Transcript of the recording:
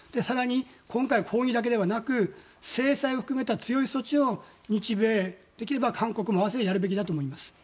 更に今回は抗議だけではなく制裁を含めた強い措置を日米、できれば韓国も併せてやるべきだと思います。